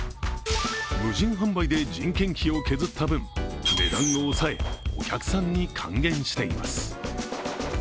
無人販売で人件費を削った分、値段を抑えお客さんに還元しています。